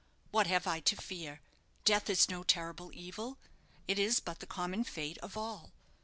What have I to fear? Death is no terrible evil. It is but the common fate of all.